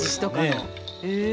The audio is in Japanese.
へえ。